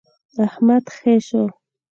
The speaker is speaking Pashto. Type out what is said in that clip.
احمد خې شو.